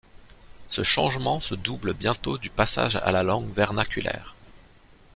Ce changement se double bientôt du passage à la langue vernaculaire.